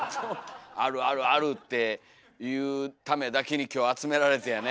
「あるあるある！」って言うためだけに今日集められてやね。